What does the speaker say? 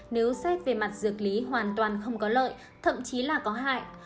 nếu xét về mặt dược lý hoàn toàn không có lợi thậm chí là có hại